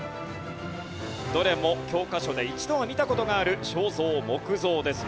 どれも教科書で一度は見た事がある肖像・木像ですよ。